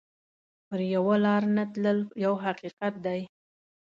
پر یوه لار نه تلل یو حقیقت دی.